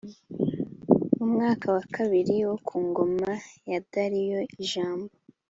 mwaka wa kabiri wo ku ngoma ya dariyo ijambo